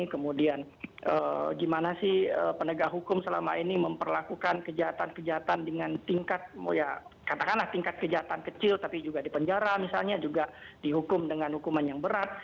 kemudian gimana sih penegak hukum selama ini memperlakukan kejahatan kejahatan dengan tingkat katakanlah tingkat kejahatan kecil tapi juga di penjara misalnya juga dihukum dengan hukuman yang berat